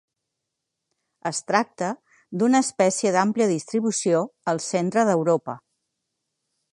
Es tracta d'una espècie d'àmplia distribució al centre d'Europa.